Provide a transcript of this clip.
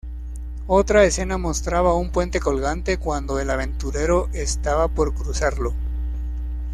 Otra escena mostraba un puente colgante cuando el aventurero estaba por cruzarlo.